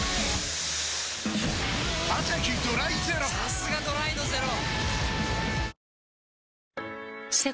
さすがドライのゼロ！